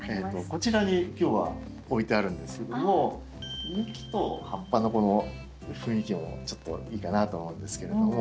こちらに今日は置いてあるんですけども幹と葉っぱのこの雰囲気もちょっといいかなと思うんですけれども。